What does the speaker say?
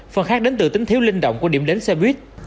phần khác đến từ tính thiếu linh động của điểm đến xe buýt